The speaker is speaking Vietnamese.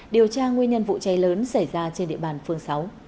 điều tra nguyên nhân vụ cháy lớn xảy ra trên địa bàn phương sáu